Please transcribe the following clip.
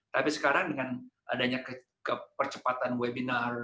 tapi sekarang dengan adanya kepercepatan webinar